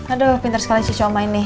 aduh pinter sekali cuco omain nih